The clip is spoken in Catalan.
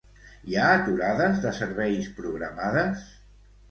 Hi ha aturades de serveis programades?